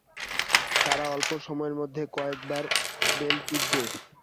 তারা অল্পসময়ের মধ্যে কয়েক বার বেল টিপবে।